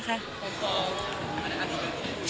คุณตอบว่าอดุล